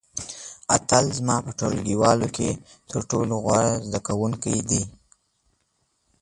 اتل زما په ټولګیوالو کې تر ټولو غوره زده کوونکی دی.